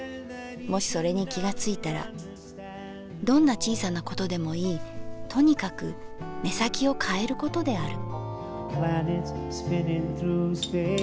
もしそれに気がついたらどんな小さなことでもいいとにかく目先きをかえることである」。